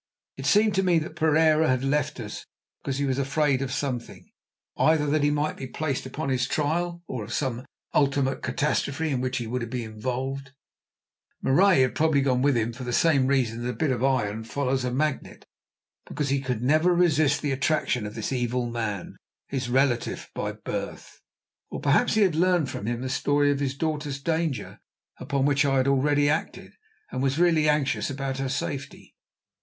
It seemed to me that Pereira had left us because he was afraid of something—either that he might be placed upon his trial or of some ultimate catastrophe in which he would be involved. Marais probably had gone with him for the same reason that a bit of iron follows a magnet, because he never could resist the attraction of this evil man, his relative by birth. Or perhaps he had learned from him the story of his daughter's danger, upon which I had already acted, and really was anxious about her safety.